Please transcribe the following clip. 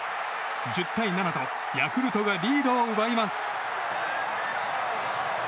１０対７とヤクルトがリードを奪います。